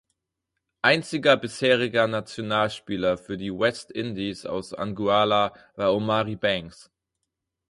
Einziger bisheriger Nationalspieler für die West Indies aus Anguilla war Omari Banks.